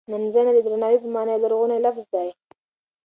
نمځنه د درناوی په مانا یو لرغونی لفظ دی.